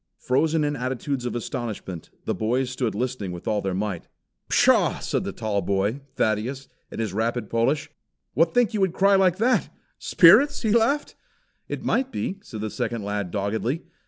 Frozen in attitudes of astonishment, the boys stood listening with all their might. "Pshaw!" said the tall boy, Thaddeus, in his rapid Polish. "What think you would cry like that spirits?" He laughed. "It might be," said the second lad doggedly.